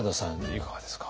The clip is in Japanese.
いかがですか？